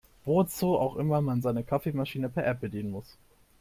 Wozu auch immer man seine Kaffeemaschine per App bedienen muss.